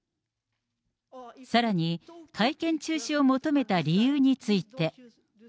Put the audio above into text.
さらに、会見中止を求めた理由について。